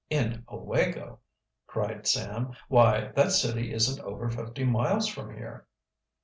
"In Owego!" cried Sam. "Why, that city isn't over fifty miles from here."